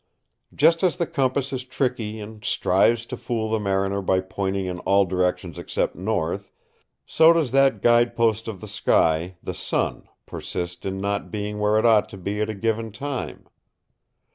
Just as the compass is tricky and strives to fool the mariner by pointing in all directions except north, so does that guide post of the sky, the sun, persist in not being where it ought to be at a given time.